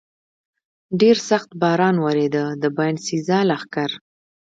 ډېر سخت باران ورېده، د باینسېزا لښکر.